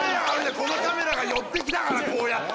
このカメラが寄ってきたからこうやって！